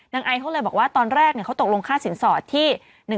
ไอเขาเลยบอกว่าตอนแรกเขาตกลงค่าสินสอดที่